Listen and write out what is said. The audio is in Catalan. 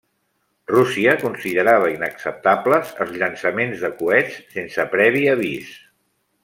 Rússia considerava inacceptables els llançaments de coets sense previ avís.